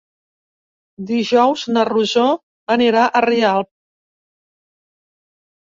Dijous na Rosó anirà a Rialp.